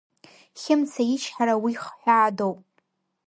Хьымца ичҳара уи хҳәаадоуп…